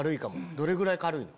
どれぐらい軽いの？